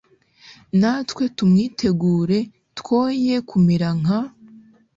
natwe tumwitegure, twoye kumera nka